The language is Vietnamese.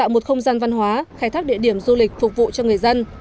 tạo một không gian văn hóa khai thác địa điểm du lịch phục vụ cho người dân